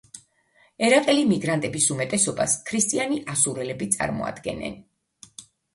ერაყელი მიგრანტების უმეტესობას ქრისტიანი ასურელები წარმოადგენენ.